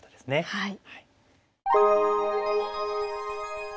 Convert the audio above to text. はい。